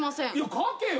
書けよ。